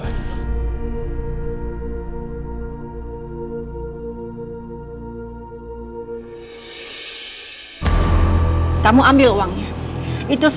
percaya sama gue